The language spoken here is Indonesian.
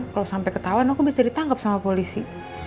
kalau sampai ketahuan aku bisa ditangkap sama polisi